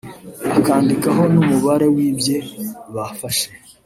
akandikaho n’umubare w’ibye bafashe